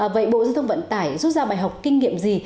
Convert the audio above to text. vậy bộ giao thông vận tải rút ra bài học kinh nghiệm gì